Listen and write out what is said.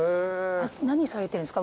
何されてるんですか？